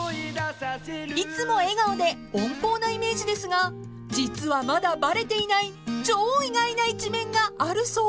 ［いつも笑顔で温厚なイメージですが実はまだバレていない超意外な一面があるそうで］